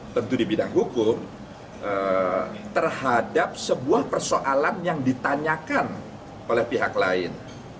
tentu di bidang hukum terhadap sebuah persoalan yang ditanyakan oleh pihak lain